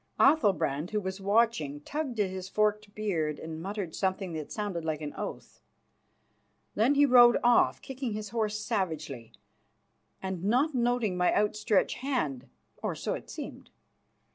Athalbrand, who was watching, tugged at his forked beard and muttered something that sounded like an oath. Then he rode off, kicking his horse savagely and not noting my outstretched hand, or so it seemed.